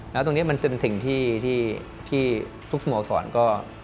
แล้วตรงนี้มันเป็นสิ่งที่ทุกสโมสรก็